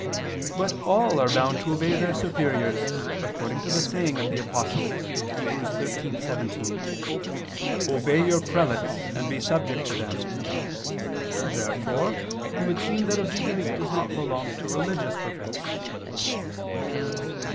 But all are bound to obey their superiors, according to the saying of the Apostle (Heb. 13:17), "Obey your prelates, and be subject to them." Therefore it would seem that obedience does not belong to religious perfection.